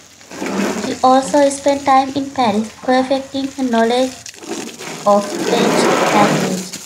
She also spent time in Paris perfecting her knowledge of the French language.